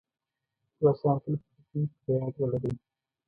دوه شیان تل په ژوند کې په یاد ولرئ.